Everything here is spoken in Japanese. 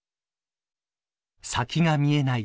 先が見えない